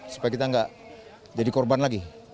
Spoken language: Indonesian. supaya kita nggak jadi korban lagi